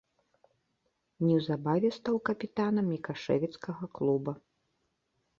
Неўзабаве стаў капітанам мікашэвіцкага клуба.